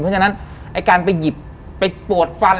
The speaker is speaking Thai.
เพราะฉะนั้นไอ้การไปหยิบไปปวดฟัน